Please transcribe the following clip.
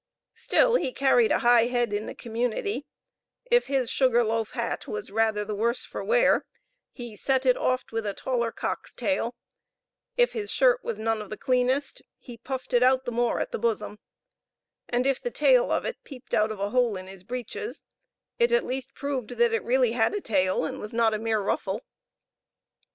Still he carried a high head in the community: if his sugar loaf hat was rather the worse for wear, he set it oft with a taller cock's tail; if his shirt was none of the cleanest, he puffed it out the more at the bosom; and if the tail of it peeped out of a hole in his breeches, it at least proved that it really had a tail and was not a mere ruffle.